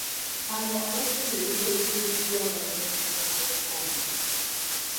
Abo abatunda ebintu ebiguliddwa gavumenti balina okukwatibwa.